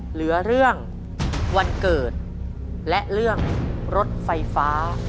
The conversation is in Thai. เหลือเรื่องวันเกิดและเรื่องรถไฟฟ้า